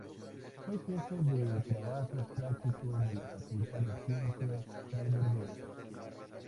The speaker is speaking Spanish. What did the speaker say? Fue Jefe de Trabajos Prácticos de la Facultad de Ciencias de Burdeos.